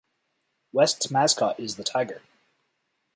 West's mascot is the Tiger.